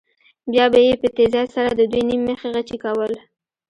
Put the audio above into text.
بیا به یې په تېزۍ سره د دوی نیم مخي غچي کول.